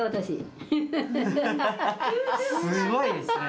すごいですね。